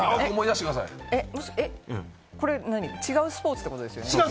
違うスポーツってことですよね。